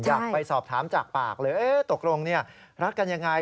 อยากไปสอบถามจากปากเลยตกลงรักกันยังไง